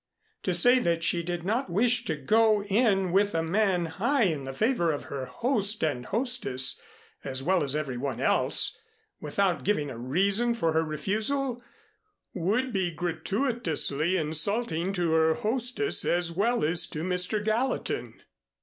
To say that she did not wish to go in with a man high in the favor of her host and hostess as well as every one else, without giving a reason for her refusal would be gratuitously insulting to her hostess as well as to Mr. Gallatin.